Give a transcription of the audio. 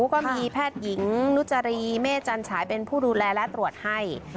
ก็มีแพทย์หญิงนุจรีเมฆจันฉายเป็นผู้ดูแลและตรวจให้